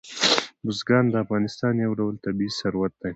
بزګان د افغانستان یو ډول طبعي ثروت دی.